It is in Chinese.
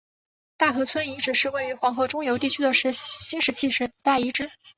大河村遗址是位于黄河中游地区的新石器时代遗址。